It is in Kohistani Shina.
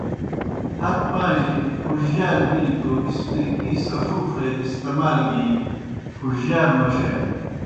ہت پاں جیْ پُھڙجیار بلیْ توْ اِسپِرکی سفوفے استعمال گیْ پُھڙجِیار نوشانیْ۔